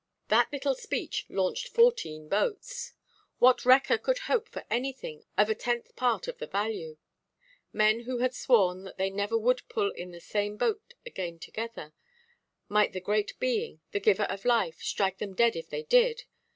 That little speech launched fourteen boats. What wrecker could hope for anything of a tenth part of the value? Men who had sworn that they never would pull in the same boat again together—might the Great Being, the Giver of life, strike them dead if they did!